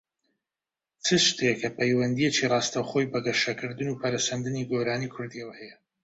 چ شتێکە پەیوەندییەکی ڕاستەوخۆی بە گەشەکردن و پەرەسەندنی گۆرانیی کوردییەوە هەیە؟